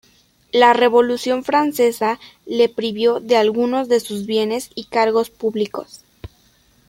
La Revolución francesa le privó de algunos de sus bienes y cargos públicos.